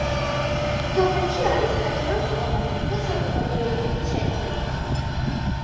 სოფელში არის საჯარო სკოლა და საზოგადოებრივი ცენტრი.